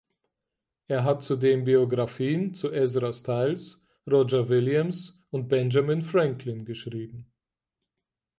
Er hat zudem Biographien zu Ezra Stiles, Roger Williams und Benjamin Franklin geschrieben.